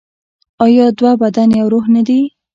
آیا دوه بدن یو روح نه دي؟